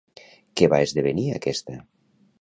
Què va esdevenir aquesta?